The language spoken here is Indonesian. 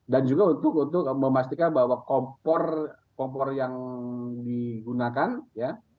dan juga untuk memastikan bahwa kompor yang digunakan ya